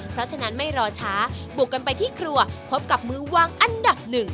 เพราะฉะนั้นไม่รอช้าบุกกันไปที่ครัวพบกับมือวางอันดับหนึ่ง